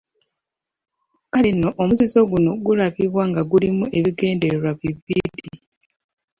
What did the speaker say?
Kale nno omuzizo guno gulabibwa nga gulimu ebigendererwa bibiri.